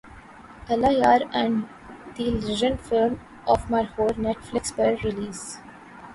اللہ یار and the legend of Markhor Netflix پر release